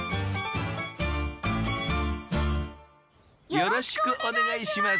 よろしくお願いします。